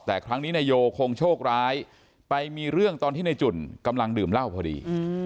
แต่ครั้งนี้นายโยคงโชคร้ายไปมีเรื่องตอนที่ในจุ่นกำลังดื่มเหล้าพอดี